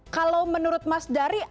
kalau menurut mas dari